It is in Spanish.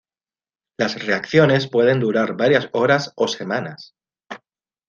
Las reacciones pueden durar varias horas o semanas.